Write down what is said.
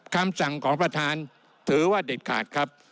คำสั่งของประธานถือว่าเด็ดขาดครับ